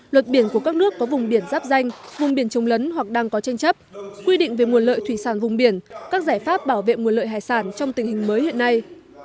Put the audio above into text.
luật biển của các nước có vùng biển giáp danh vùng biển trông lấn hoặc đang có tranh chấp quy định về nguồn lợi thủy sản vùng biển các giải pháp bảo vệ nguồn lợi hải sản trong tình hình mới hiện nay